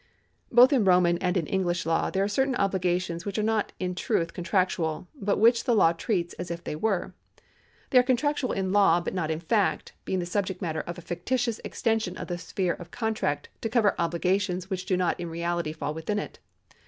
Both in Roman and in English law there are certain obli gations which are not in truth contractual, but which the law treats as if they were. They are contractual in law, but not in fact, being the subject matter of a fictitious extension of the sphere of contract to cover obligations which do not in reality fall within it.